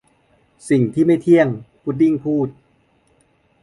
'สิ่งที่ไม่เที่ยง !' พุดดิ้งพูด